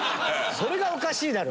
それがおかしいだろ。